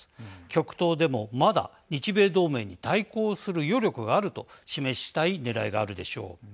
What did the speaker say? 極東でもまだ日米同盟に対抗する余力があると示したいねらいがあるでしょう。